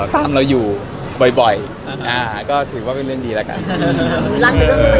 ตามเราอยู่บ่อยก็ถือว่าเป็นเรื่องดีแล้วกัน